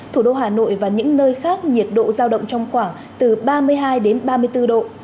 thủ đô hà nội và những nơi khác nhiệt độ giao động trong khoảng từ ba mươi hai đến ba mươi bốn độ